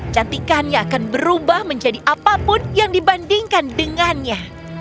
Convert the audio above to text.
cantikannya akan berubah menjadi apapun yang dibandingkan dengannya